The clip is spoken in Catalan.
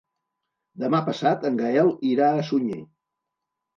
Demà passat en Gaël irà a Sunyer.